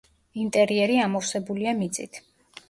ინტერიერი ამოვსებულია მიწით.